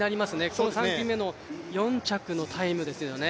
この３組目の４着のタイムですよね